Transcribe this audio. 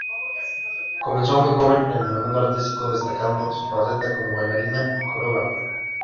Comenzó muy joven en el mundo artístico, destacando su faceta como bailarina y coreógrafa.